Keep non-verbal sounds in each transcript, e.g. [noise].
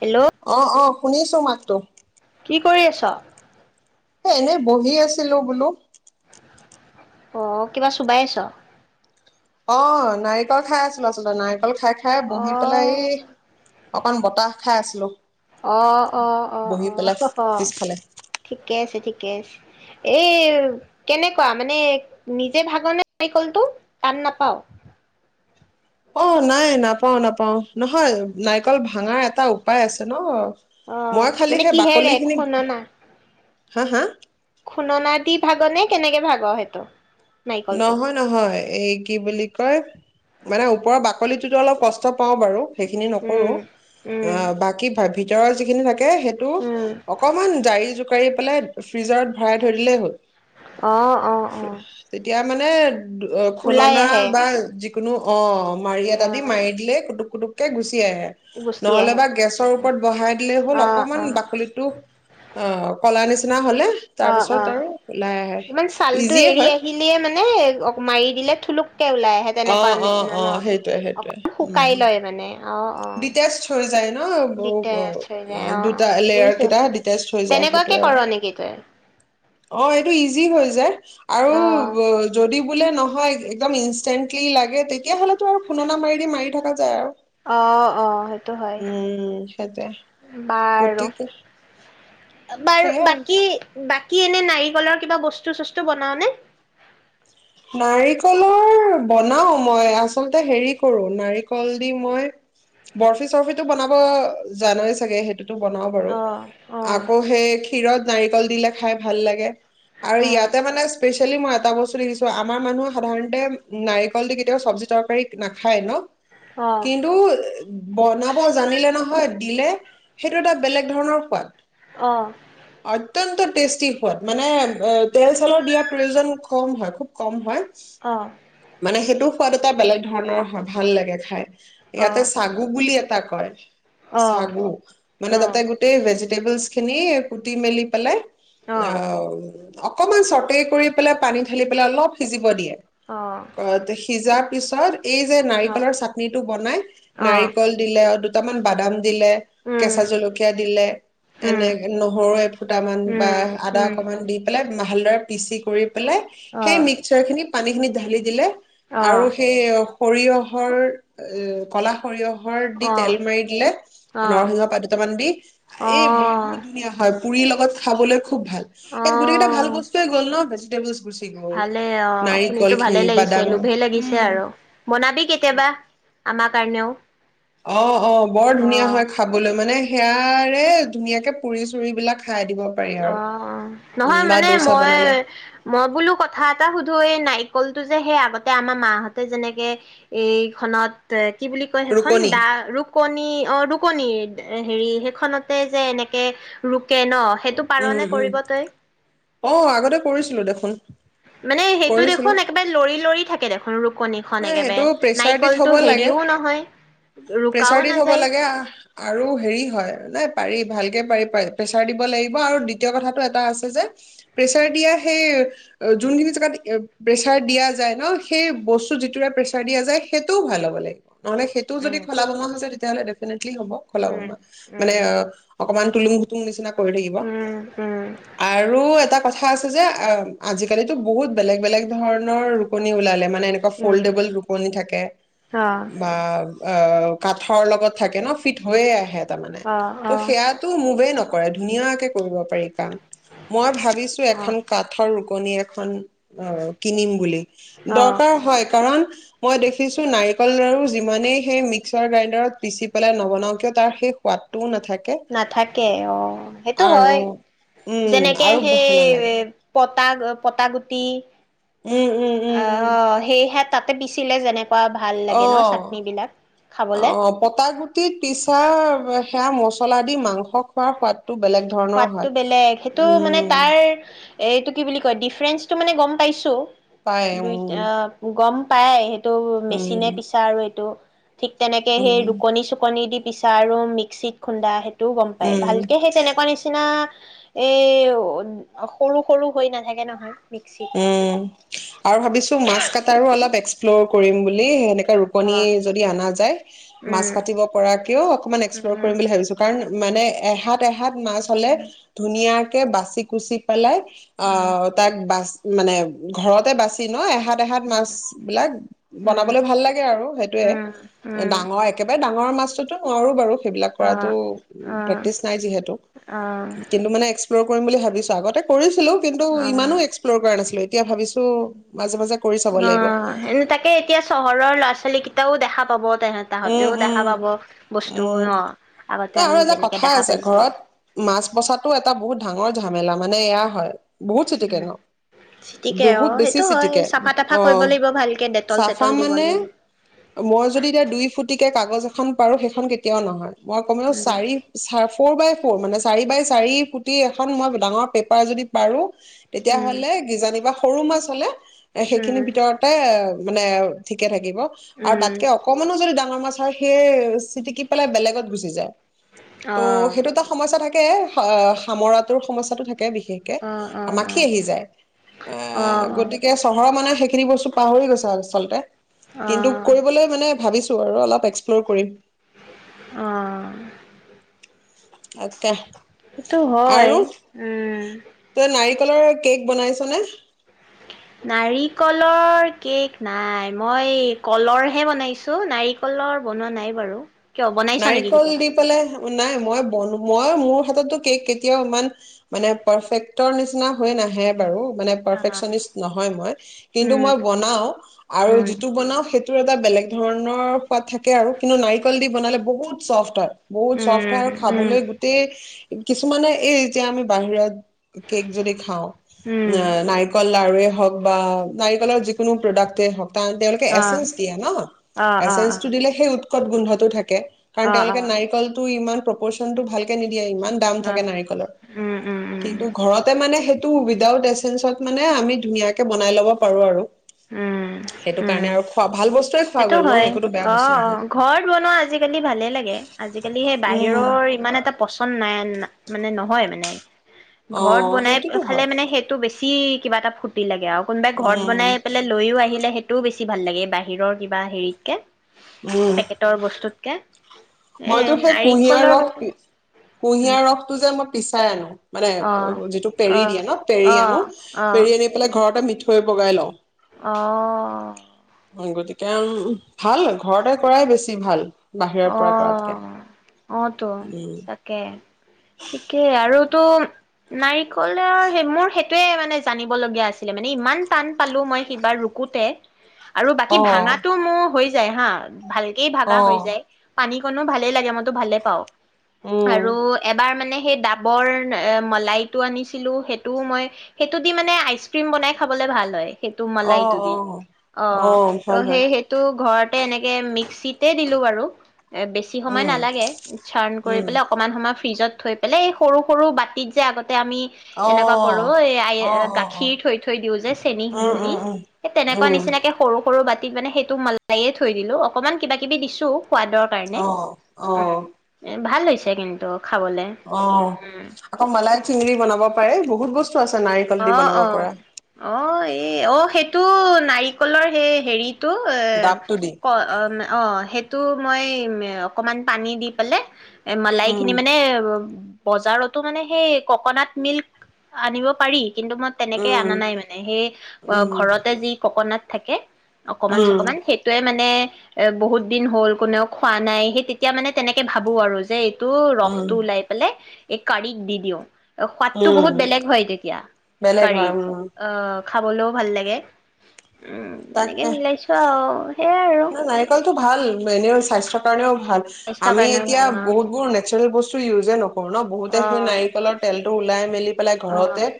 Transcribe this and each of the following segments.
Hello অ' অ' শুনিছো মাত। ত' কি কৰি আছ? এ, এনেই বহি আছিলো বুলো। অ', কিবা চোবাই আছ? অ', নাৰিকল খাই আছিলোঁ আচলতে, নাইক কল খাই, খাই অ বহি পেলাই এই অকন বতাহ খাই আছিলোঁ। অ', অ', অ', অ', পিছফালে। ঠিকেই আছে, ঠিক ঠিকেই আছে, এই কেনেকুৱা? মানে নিজে ভাগনে নাৰিকলটো, টান নাপাৱ? অ', নাই নাপাও, নাপাও। নহয়, নাৰিকল ভাঙাৰ এটা উপায় আছে ন! অ মই খালি মানে সেই কিহেৰে বাকলি খিনিক, খুন্দনা হা, হা? খুননা দি ভাগনে, কেনেকে ভাগ সেইটো? নাৰিকলটো নহয়, নহয়। এই, কি বুলি কয়, মানে ওপৰৰ বাকলিটোত অলপ কষ্ট পাওঁ বাৰু। সেইখিনি উম নকৰোঁ, আ উম বাকী ভাভিক জৰৰ যিখিনি থাকে এ, উম সেইটো অকমান জাৰি জো কাৰি পেলায় ফ্ৰিজাৰত ভৰাই থৈ দিলেই হ'ল। অ', অ', অ। এয়া মানে দু, অ, ওলাই খুননা আহে বা যি কোনো অ' মাৰি অ এটা দি মাৰি দিলে কুটুক কুটুক এ গুচ [unintelligible] গুচি আহে নহলেবা গেছৰ ওপৰত বঢ়াই দিলেই হল, অ অকণমান অ বাকলিটো, আ কলা নিচি না হলে তাৰ অ অ পিছত আৰু ওলাই আহে, ইজিয়ে হয়। মেই অক মাৰি দিলে থোলুক কে ওলাই আহে, অ তেনেকুৱা অ নিচিনা অ ন? সেইটোৱে সেইটোৱে অকমান শুকাই উম লয় মানে, অ' অ'। না, ৱও-ৱও, দিগদাৰ হৈ অ যায় দুটা, লেয়াৰ বুজিছো। কেইটা ডিটেষ্ট হৈ যায়, তেনেকুৱাকে সেইটোৱেই কৰ আৰু নেকি তই অ, এইটো ইজি হয় যে। আৰু, অ ৱ যদি বোলে নহয়, একদম ইনষ্টেণ্টলি লাগে তেতিয়া হলেতো আৰু খুন্দনা মাৰি দি মাৰি থকা যায় আৰু অ-অ সেইটো হয়, উম সেইটোৱে বাৰু গতিকে সেয়াই বাৰ-বাকী বাক কি এনে নাৰিকলৰ কিবা বস্তু-চস্তু বনাৱ নে? নাৰিকলৰ বনাও মই, আচলতে হেৰি কৰো, নাৰিকল দি মই বৰফি চৰ্ফিটো বনাব যানই চাগে সেই সেইটো বনাও বাৰু, অ অ আকৌ সেই [unintelligible] নাৰিকল দিলে খাই ভাল লাগে। আৰু অ ইয়াতে মানে, স্পেচ [unintelligible] মই এটা বস্তু দেখিছোঁ ত, আমাৰ মানুহে সাধাৰণতে উ নাৰিকল দি কেতিয়াও চব্জি তৰকাৰী নাখায় ন! অ কিন্তু, বনাব জানিলে নহয় দিলে, সেইটো এটা বেলেগ ধৰণৰ সোৱাদ। অ অ অত্যন্ত টেষ্টি সোৱাদ, মানে এ তেল চেলৰ দিয়া প্ৰয়োজন কম হয়, খুব কম হয় অ'। মানে সেইটো সোৱাদ এটা বেলেগ ধৰণৰ হয়, ভাল লাগে খাই। ইয়াতে অ অ চাগু বুলি এট তাকয় চাগু, মানে অ তাতে গোটেই ভেজি টেবুলচখিনি, এই কুটি মেলি পেলাই অ আওঁ অকণমান চৰ্টে কৰি পেলাই, পানী ঢালি পেলাই অলপ সিজিব দিয়ে। অ অ অ, সিজাৰ পিছত এই যে নাৰিকলৰ চাটনিটো বনাই, অ নাৰিকল দিলে অ দু [unintelligible] বাদাম দিলে উম কেঁচা জলকীয়া দিলে, উম এনে নহৰু এফুটামান বা উম আদা উম অকমান দি পেলাই ভালদৰে পিচি কৰি পেলে সেই অ' মিক্সাৰখিনি পে পানীখিনি ঢালি দিলে আৰু অ' সেই অ' সৰিয়হৰ এ ক'লা সৰিয়হৰ দি তেল অ' মাৰি দিলে অ' নৰসিংহ পাত দুটামান দি এই বহুত অ' ধুনীয়া হয়। পুৰিৰ লগত খাবলৈ খুব ভাল ইয়াত গোটেইকেইটা ভাল অ' বস্তুৱে গ'ল ন' [unintelligible] [inaudible] গ'ল ভালে অ' নাৰিকল শুনিতো ভা ভালে খিনি লাগিছে, বাদাম লোভে লাগিছে উম আৰু বনাবি কেতিয়াবা। আমাৰ কাৰণেও অ', অ', বৰ ধুনীয়া অ' হয় খাবলৈ মানে সেয়াৰে ধুনীয়াকৈ পুৰি-চুৰি বিলাক খাই দিব পাৰি আৰু অ', উম নহয় বা মানে দোচা মই বনালে মই বোলো কথা এটা সোধো এই নাই নাৰিকলটো যে সেই আগতে আমাৰ মাহঁতে যেনেকে এই খনত তে কি বুলি কয় সেইখন ৰুকনি দা ৰুকণি অ ৰুকণিৰ এ' হেৰি, সেইখনতে যে এনেকে ৰোকে ন' সেইটো উম পাৰনে উম কৰিব তই অ', আগতে কৰিছিলো দেখোন। মানে সেইটো কৰিছিলো দেখোন একেবাৰে লৰি লৰি থাকে দেখোন ৰুকণি এহ সেইটো প্ৰেচাৰ দি থ'ব লাগে, নহয় ৰুকাও প্ৰেচাৰ দি থ'ব নাযায়। লাগে আহ আৰু হেৰি হয় ন পাৰি ভালকে পাৰি, প্ৰেচাৰ দিব লাগিব আৰু দ্বিতীয় কথাটো এটা আছে যে, প্ৰেচাৰ দিয়া সেই যোনখিনি জেগাত প্ৰেচাৰ দিয়া যায় ন' সেই বস্তু যিটোৰে প্ৰেছাৰ দিয়া যায় সেইটোও ভাল হ'ব লাগিব। নহ'লে সেইটো যদি উম খলা-বমা হৈ যায় তে তেতিয়াহ'লে ডেফিনেট কি হ'ব উম খলা-বমা। মানে উম অকমান তুলুং-ভুতুং নিচিনা কৰি থাকিব উম উম আৰু এটা কথা কথা আছে যে অ', আজিকালিতো বহুত বেলেগ বেলেগ ধৰণৰ ৰুকণি ওলালে মানে এনেকুৱা উম ফ'লডেবল ৰুকণি থাকে অ বা অ', কাঠৰ লগত থাকে ন' ফিট হৈয়ে আহে। তাৰমানে অ অ তো সেইয়াটো মুভে নক কৰে। ধুনীয়াকে কৰিব পা মই ভাবিছো অ এখন কাঠৰ ৰুক। ফনি এখন অ' কিনিম বুলি অ দৰকাৰ হয়। কাৰণ, মই দেখিছো নাৰিকল লাৰু যিমানেই সেই মিক্সাৰ গ্ৰাইণ্ডাৰত পিচি পেলাই নবনাওঁ কিয় তাৰ সেই সোৱাদটোও নাথ নাথাকে। অ' সেইটো আৰু হয়। উম যেনেকে আৰু হেই ভাল নালাগে পতাক পটা গুটি উম উম অ উম উম সেইহাত তাতে পিছিলে যেনে অ' খাবলে অ' পটাগুটিত পিছা সেয়া মছলা দি মাংস খোৱাৰ সোৱাদ সোৱাদটো বেলেগ হেটো মানে উম তাৰ এইটো কি বুলি কয় ডিফাৰেঞ্চটো মানে গম পাইছোঁ। পায় উম দুইটা আহ্ গম পায়। হে- এইটো উম মেচিনে পিছা আৰু এইটো ঠিক তেনেকে হেই উম ৰুকনি-চুকনি দি পিছা আৰু মিক্সিত খুন্দা হে তো গম পাই। উম ভালকে হেই তেনেকুৱা নিচিন আ এ সৰু-সৰু হৈ নাথাকে নহয়। মিক্সিত উম আৰু ভাবিছো মাছ কটাৰো অলপ এক্স এক্সপ্লৰ কৰিম বুলি এ হেনেক ৰুকনী অ', যদি আনা যায় মাছ উম কাটিব পৰাকেও অকমান এক্সপ্লৰ উম কৰিম বুলি ভাবছো কাৰণ মানে এহাত এহাত মাছ হলে উম ধুনীয়াকে বাচি কুচি পেলায় অ উম তাক বাচ মানে ঘৰতে বাছি ন এ এহাত এহাত মাছ বিলাক উম বনাবলৈ ভাল লাগে আৰু, সেইটোৱে। উম উম উম ডাঙৰ একেবাৰে ডাঙৰ মাছ নোৱাৰো বাৰু। সেইবিলাক অ কৰাটো প্ৰেক্টিচ নাই যিহেতু, অ কিন্তু মানে এক্সপ্লৰ কৰিম বুলি ভাবিছো। আগতেও কৰিছ খেলোঁ। কিন্ত অ ইমানো অ এক্ [unintelligible] কৰা নাছিলো, এতিয়া ভাবিছোঁ অ'। এনে তাকে এতিয়া চহৰৰ ল ছোলী কেইটাও দেখা পাব। তে উম তাহঁতেও দেখা উম পাব বস্তু উম ন? ন আগতে আমি যেনেকে দেখা পাইছিলোঁ। বাচাটো এটা বহুত ডাঙৰ ঝামেলা মানে এয়া হয় বহুত চিটিকে উম ন, ঠিকে অ বহুত বেছি সেইটো হয় চিটিকে। চাফা তাফা কৰিব অ', লাগিব ভালকে ডেটল চাফা চেটল দিব মানে লাগিব মই যদি এতিয়া দুই গতিকে কাগজ এখন পাৰো সেইখন কেতিয়াও নহয়। মই কমেও উম চাৰি চাৰ্ফ ফৰ বাই ফৰ মানে চাৰি বাই চাৰি ফুটি এখন মই ডাঙৰ পেপাৰ যদি পাৰো তেতিয়া উম হ'লে গিজানিবা সৰু মাছ হলে এ, সেইখিনিৰ উম ভিতৰতে অ মানে ঠিকে থাক দিব আৰু উম তাতকে অকমানো যদি ডা [unintelligible] মাছাৰ সেই চিটিকি পেলাই বেলেগত গুচি যায়। অ তো সেইটো এটা সমস্যা থাক সেয়ে সা-সামৰাটোৰ সমস্যাটো থাক কে বিশেষকে অ অ মাখি আহি যায়। অ' গতিকে চহৰৰ মানুহে সেই কি বস্তু পাহৰি গৈছা, আচলতে। অ কিন্তু অ কৰিবলৈ মানে ভাবিছোঁ। তো আৰু অলপ এক্সপ্ল'ৰ কৰিম। অ'। অকে। সেটো হয়। উম। [unintelligible] কেক বনাইছ নে? নাৰিকলৰ কেক নাই, মই কলৰহে বনাইছোঁ। নাৰিকলৰ বনোৱা নাই বাৰু। কিয় বনাইছ নেকি নাৰিকল কেতিয়াবা দি পেলাই অ' নাই। মই বনো, মই মোৰ হাততো কেক কেতিয়াও ইমান, মানে পাৰফেক্টৰ নিচিনা হৈ নাহে বাৰু। মানে পাৰফেকচনিষ্ট নহয় মই কিন্তু উম মই বনাওঁ আৰু উম যিটো বনাওঁ সে তোৰ এটা বেলেগ ধৰণৰ পাত থাকে আৰু কিন্তু নাৰিকল দি বনালে বহুত চফ্ট হয়। বহুত চফ্ট হয় উম আৰু উম খাবলৈ গোটেই কিছুমানে এই যে আমি বাহিৰত। কেক যদি খাওঁ উম নাইকল লাৰুৱে হক বা নাৰিকলৰ যিকোনো প্ৰডাক্টে হওক তান তেওঁলোকে অ এচেঞ্চ দিয়া ন অ অ এচেঞ্চটো দিলে সেই উৎ খুব গোন্ধটো থাকে কাৰণ অ অ অ তেওঁলোকে নাৰিকলটো ইমান প্ৰপৰচন ভাল কে নি এ ইমান দাম অ থাকে নাইকলৰ উম উম উম কিন্তু ঘৰতে মানে হে টো উইদাউট এচেঞ্চত মানে আমি ধুনীয়াকে বনাই ল'ব পাৰোঁ আৰু। উম সেইটো উম কাৰণে আৰু খোৱা, ভাল বস্তুয়ে সেইটো হয়। অ', অ'। ঘৰত বনোৱা আজিকালি লাগে, আজিকালি সেই উম বাহিৰৰ ইমান এটা পচন্দ নাই। না, মানে নহয় মানে। অ ঘৰত বনাই সেইটোতো খালে হয় মানে সেইটো বেছি কি, কিবা এটা ফূৰ্তি লাগে আৰু। কোনোবাই ঘৰত উম বনাই পেলাই লৈয়ও আহিলে। সেইটোও বেছি ভাল লাগে বাই হিৰৰ কিবা হেৰি কে উম পেকেটৰ বস্তুতকে। এ মইতো সেই কুঁহিয়াৰ নাৰিকলৰ ৰস বাৰু পি কুঁহিয়াৰ ৰসটো যে মই পিচাই আনো। মানে অ', যিটো পেৰি দিয়ে অ', ন পেৰি অ', আনো পেৰি আনি পেলাই ঘৰতে মিঠ থৈ বগাই লওঁ। অহ। গতিকে ভাল, ঘৰতে কৰাই বেছি ভাল। বাহিৰৰ পৰা কৰাতকে। অ'তো, উম তাকে ঠিকেই আৰু টোম নাৰিকলৰ হেই মোৰ সেইটোয়ে মানে জানিবলগীয়া আছিলে মানে ইমান টান পালোঁ মই সিবাৰ ৰুকোতে। আৰু বাকী ভাঙাটো অ মোৰ হৈ যায় হা ভালকেই অ ভাগা হৈ যায়। পানীকণো ভালেই লাগে, মইতো ভালে পাওঁ। উম আৰু এবাৰ মানে সেই ডাবৰ এহ, মলাইটো আনিছিলোঁ সেইটোও মই, সেইটো দি মানে আইচক্ৰীম বনাই খাবলৈ ভাল হয়। সেইটো অ মলাইটো অ দি। অ', ভাল ত' হয় সেই, সেইটো ঘৰত এ, এনেকে মিক্সিতে দিলো, বাৰু। এ, বেছি সময় উম নালাগে, উচ্চাৰণ কৰি উম পেলৈ অকমান সময় ফ্ৰিজত থৈ পেলাই এই সৰু সৰু বাতিত যে আগত আমি অ এনেকুৱা কৰো এ অ অ অ গাখীৰ থৈ থৈ দিওঁ যে চেনী উম গুলি উম স তেনেকুৱা উম নিচিনাকে সৰু সৰু বাত কি, মানে সেইটো [unintelligible] য়ে থৈ দিলো। অকনমান কিবা কিবি দিছোঁ। সোৱাদৰ কাৰণে? উম অ উম। অ [unintelligible] ভাল হৈছে কিন্তু খাবলে অ', উম। আকৌ মালাই চিঙৰি বনাব পাৰে। বহুত বস্ অ অ অ এ অ সেইটো [unintelligible] নাৰিকলৰ হে হেৰিত [unintelligible] ডাবটো দি সেইটো মই মে, অকমান পানী দি পালে- এ, মলাই খিনি উম মানে [unintelligible] বজাৰতো মানে সেই ককনাট মিল্ক আনিব পাৰি কিন্তু মই তেনেকে উম অনা নাই মানে সেই উম ঘৰতে যি ককনাট থাকে উম অকমান-চকমান। সেইটোৱে মানে এ বহুত দিন হল কোনেও খোৱা নাই সেই তেতিয়া মানে তেনেকে ভাবো আৰু যে টো ৰস উম টো ওলাই পেলাই এই কাঢ়িক দি দিওঁ অ', সোৱাদটো উম বহুত বেলেগ হয, তে বেলেগ হয়, উম। খাবলৈও ভাল লাগে উম এনেকে মিলাইছো আৰু সেইয়াই আৰু। না নাৰিকলতটো ভাল এনেও স্বাস্থ্যৰ কাৰণেও ভাল স্বাস্থ্যৰ আমি কাৰণেও এতিয়া ভাল অ বহুত বোৰ নেচাৰেল বস্তু ইউজে নকৰো ন বহুতে সেই নাৰিকলৰ তেল ওলাই মেলি [inaudible] অ ঘৰতে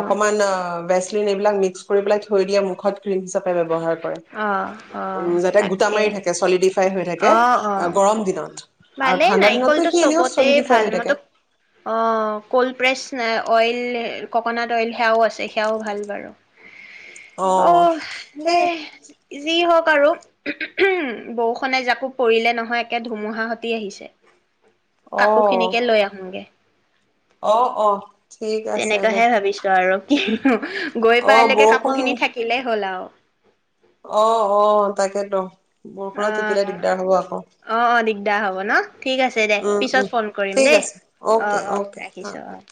অকনমান অ [unintelligible] [unintelligible] সেইবিলাক মিস্ক্ কৰি পেলে থৈ দিয়ে মুখত। ক্ৰীম হিচাপে ব্যৱহাৰ কৰে। অ অ উম যাতে গোটা তাকে মাৰি থাকে চলিডি ফ্ৰাই হৈ থাকে, অ গৰম দিনত। আৰু ভালে ঠাণ্ডা দিনতো নাৰিকলটো সি এনেও চবতে চলিডিফাই ভাল হৈ থাকে মইতো, অ', কল প্ৰেচ অ অইল, ককনাট অইল সেয়াও আছে। সেয়াও ভাল বাৰু। অ অঃ, দে। এ যি হওঁক আৰু। বৰষুণে এজাকো পৰিলে নহয়! একে ধুমুহাসতি আহিছে। অ কাপো খিনিকে লৈ আহোঁগে। অ', অ', ঠিক আছে দে। তেনেকাহে ভাবিছো [unintelligible] [unintelligible] গৈ অ পাই লেকে কা বৰষুণ মোৰখিনি থাকিলেই হ'ল আৰু। অ', অ', তাকেতো। বৰষুণত তিতিলে অ'। অ', দিগদাৰ হ'ব আকৌ অ' দিগদাৰ হ'ব ন? ঠিক আছে দে। উম পিছত উম ফোন কৰিম ঠিক দেই। আছে অ'কে অ', অ', অ'কে ৰাখিছো অ'।